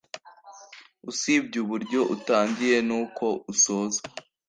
Usibye uburyo utangiye n’uko usozwa,